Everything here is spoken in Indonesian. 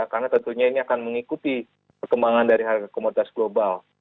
karena tentunya ini akan mengikuti perkembangan dari harga komoditas global